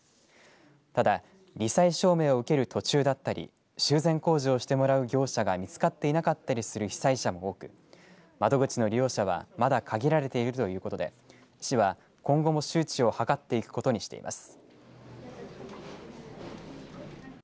ただ、り災証明受ける途中だったり修繕工事をしてもらう業者が見つかっていなかったりする被災者も多く窓口の利用者はまだ限られてるということで市は今後も周知を図っていくことにしています。